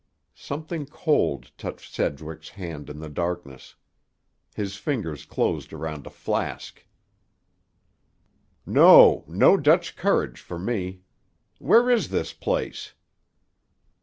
Something cold touched Sedgwick's hand in the darkness. His fingers closed around a flask. "No, no Dutch courage for me. Where is this place?"